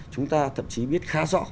chúng ta thậm chí biết khá rõ